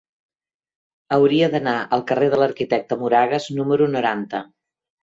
Hauria d'anar al carrer de l'Arquitecte Moragas número noranta.